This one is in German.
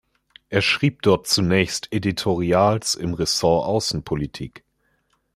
Er schrieb dort zunächst Editorials im Ressort Außenpolitik.